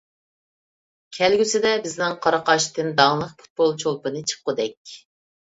كەلگۈسىدە بىزنىڭ قاراقاشتىن داڭلىق پۇتبول چولپىنى چىققۇدەك.